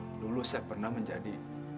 hai dulu saya pernah menjadi